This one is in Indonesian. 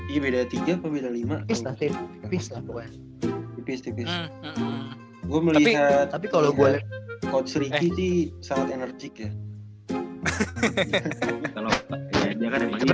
ini beda tiga apa beda lima